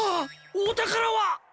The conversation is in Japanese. おたからは！？